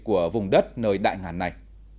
của vùng đất nơi đại ngàn này